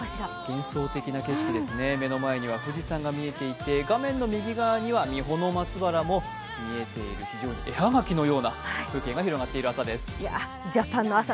幻想的な景色ですね、目の前には富士山が見えていて画面の右側には三保松原も見えている、絵葉書のような風景が広がっている日本の朝です。